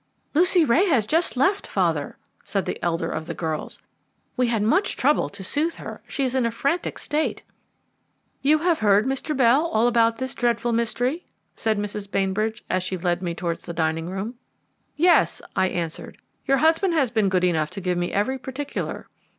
"Lucy Ray has just left, father," said the elder of the girls. "We had much trouble to soothe her; she is in a frantic state." "You have heard, Mr. Bell, all about this dreadful mystery?" said Mrs. Bainbridge as she led me towards the dining room. "Yes," I answered; "your husband has been good enough to give me every particular."